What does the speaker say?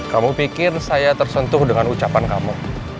kamu pikir saya tersentuh dengan ucapan kamu